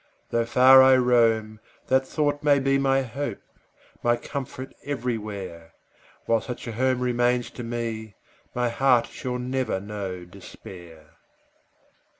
Though far I roam, that thought shall be My hope, my comfort, everywhere; While such a home remains to me, My heart shall never know despair!